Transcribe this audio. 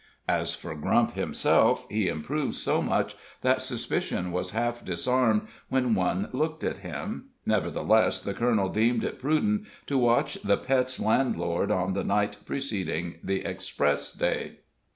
As for Grump himself, he improved so much that suspicion was half disarmed when one looked at him; nevertheless the colonel deemed it prudent to watch the Pet's landlord on the night preceding the express day.